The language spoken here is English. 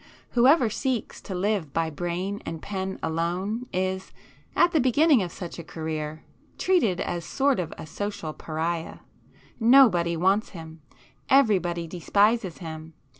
Whoever seeks to live by brain and pen alone is, at the beginning of such a career, treated as a sort of social pariah. Nobody wants him,—everybody despises him.